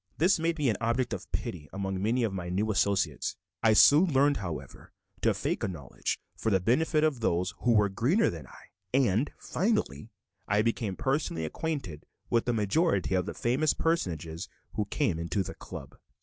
This made me an object of pity among many of my new associates. I soon learned, however, to fake a knowledge for the benefit of those who were greener than I; and, finally, I became personally acquainted with the majority of the famous personages who came to the "Club."